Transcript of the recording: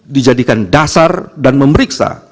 dijadikan dasar dan memeriksa